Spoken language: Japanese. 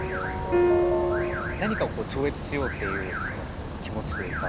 何かを超越しようっていうその気持ちというか。